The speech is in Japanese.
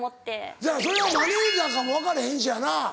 せやからそれはマネジャーかも分かれへんしやな。